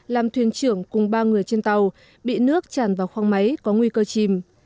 làm thuyền trưởng cùng ba người trên tàu bị nước tràn vào khoang máy có nguy cơ chìm